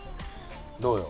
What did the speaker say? どうよ？